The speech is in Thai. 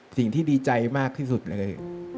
สิ่งที่ดีใจมากที่สุดเลย